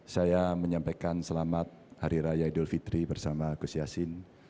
saya menyampaikan selamat hari raya idul fitri bersama gus yassin